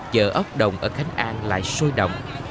chợ ốc đồng ở khánh an lại sôi động